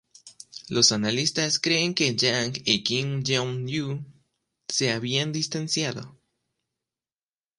Los analistas creen que Jang y Kim Kyong-hui se habían distanciado.